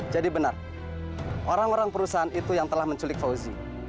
jadi benar orang orang perusahaan itu yang telah menculik fauzi